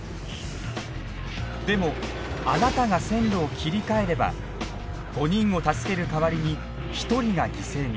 でもあなたが線路を切り替えれば５人を助ける代わりに１人が犠牲に。